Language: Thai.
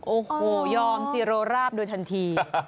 โอ้โหยอมสิโรราบด้วยทันที